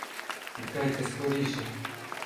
— Тікайте скоріше.